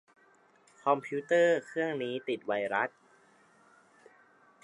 คอมพิวเตอร์เครื่องนี้ติดไวรัส